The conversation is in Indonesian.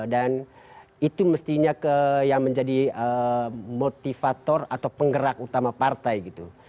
dan itu mestinya yang menjadi motivator atau penggerak utama partai gitu